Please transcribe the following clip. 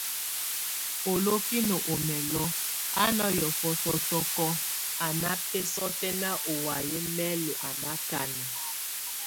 Olokin o mɛlok, a ná yɔfɔ sɔtɔkɔk, a nábesɔtɛn o waye mɛl a nákana.